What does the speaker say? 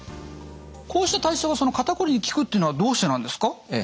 こうした体操が肩こりに効くっていうのはどうしてなんですか？